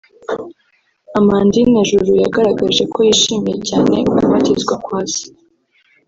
Amandine Juru yagaragaje ko yishimiye cyane ukubatizwa kwa se